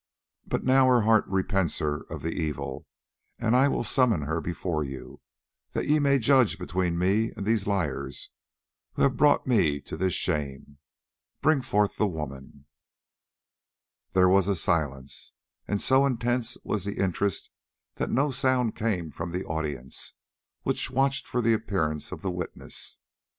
But now her heart repents her of the evil, and I will summon her before you, that ye may judge between me and these liars who have brought me to this shame. Bring forth the woman." There was a silence, and so intense was the interest that no sound came from the audience, which watched for the appearance of the witness.